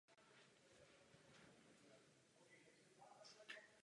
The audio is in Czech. Organizace celého představení byla podle organizátorů velmi složitá.